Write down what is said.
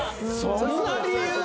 そんな理由？